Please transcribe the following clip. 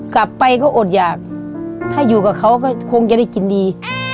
กลับไปก็อดอยากถ้าอยู่กับเขาก็คงจะได้กินดี